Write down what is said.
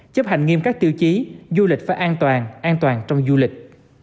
chấp hành nghiêm các tiêu chí du lịch phải an toàn an toàn trong du lịch